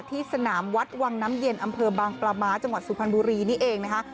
ที่สนามวัดวังน้ำเย็นอำเภอบางปลาม้าจังหวัดสุพรรณบุรีนี่เองนะคะ